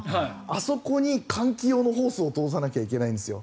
あそこに換気用のホースを通さないといけないんですよ。